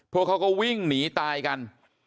พวกเขาก็วิ่งหนีตายกัน